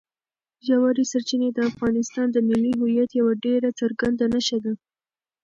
ژورې سرچینې د افغانستان د ملي هویت یوه ډېره څرګنده نښه ده.